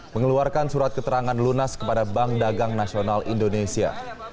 mengeluarkan surat keterangan lunas kepada bank dagang nasional indonesia